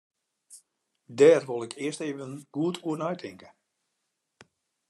Dêr wol ik earst even goed oer neitinke.